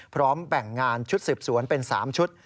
พร้อมแบ่งงานชุดสืบสวนเป็น๓ชุด